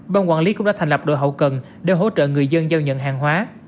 ban quản lý cũng đã thành lập đội hậu cần để hỗ trợ người dân giao nhận hàng hóa